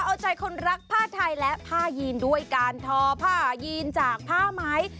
เอาใจคนรักผ้าไทยและผ้ายีนด้วยการทอผ้ายีนจากผ้าไหม